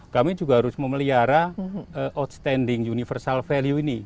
kami juga harus memelihara outstanding universal value ini